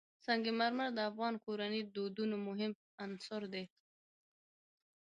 سنگ مرمر د افغان کورنیو د دودونو مهم عنصر دی.